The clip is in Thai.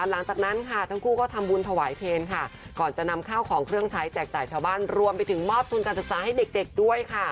หลังจากนั้นค่ะทั้งคู่ก็ทำบุญถวายเพลค่ะก่อนจะนำข้าวของเครื่องใช้แจกจ่ายชาวบ้านรวมไปถึงมอบทุนการศึกษาให้เด็กด้วยค่ะ